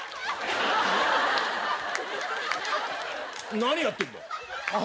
何やってんだ？